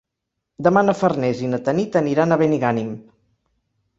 Demà na Farners i na Tanit aniran a Benigànim.